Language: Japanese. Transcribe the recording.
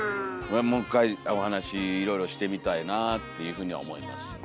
もう一回お話しいろいろしてみたいなっていうふうには思いますよね。